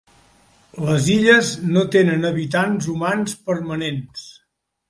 Les illes no tenen habitants humans permanents.